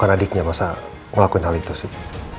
kamu kan adiknya masa ngelakuin hal itu sih